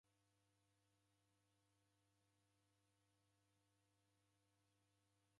Uao nimkong'ose ngongochiro ya chongo?